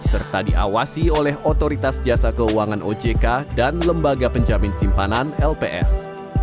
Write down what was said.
serta diawasi oleh otoritas jasa keuangan ojk dan lembaga penjamin simpanan lps